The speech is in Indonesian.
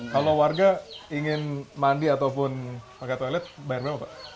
kalau warga ingin mandi ataupun pakai toilet bayar berapa pak